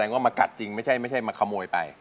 ว่ามากัดจริงไม่ใช่มาขโมยไป